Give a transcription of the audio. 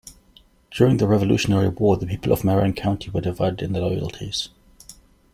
During the Revolutionary War, the people of Marion County were divided in their loyalties.